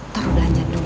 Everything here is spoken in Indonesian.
taruh belanja dulu dah